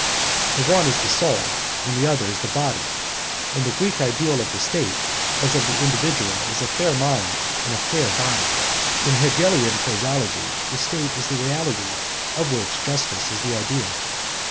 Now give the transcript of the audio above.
The one is the soul and the other is the body, and the Greek ideal of the State, as of the individual, is a fair mind in a fair body. In Hegelian phraseology the state is the reality of which justice is the idea.